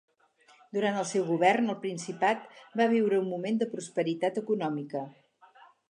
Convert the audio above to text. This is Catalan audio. Durant el seu govern, el principat va viure un moment de prosperitat econòmica.